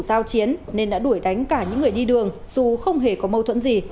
giao chiến nên đã đuổi đánh cả những người đi đường dù không hề có mâu thuẫn gì